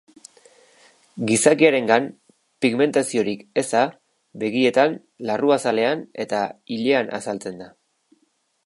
Gizakiarengan pigmentaziorik eza begietan, larruazalean eta ilean azaltzen da.